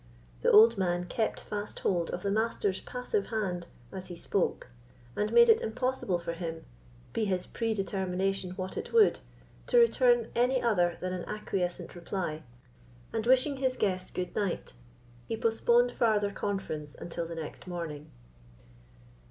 The old man kept fast hold of the Master's passive hand as he spoke, and made it impossible for him, be his predetermination what it would, to return any other than an acquiescent reply; and wishing his guest goodnight, he postponed farther conference until the next morning.